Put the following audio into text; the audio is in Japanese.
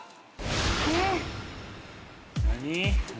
何？